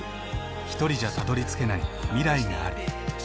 ひとりじゃたどりつけない未来がある。